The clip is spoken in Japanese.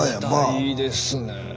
いいですね。